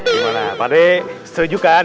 gimana pak d setuju kan